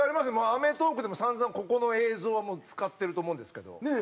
『アメトーーク』でも散々ここの映像は使ってると思うんですけど。